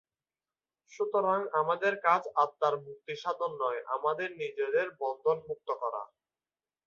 সুতরাং আমাদের কাজ আত্মার মুক্তিসাধন নয়, আমাদের নিজেদের বন্ধনমুক্ত করা।